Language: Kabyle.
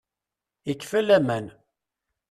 Ikfa Laman.